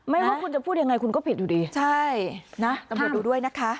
ไม่ว่าคุณจะพูดยังไงคุณก็ผิดอยู่ดีใช่นะตำรวจดูด้วยนะคะ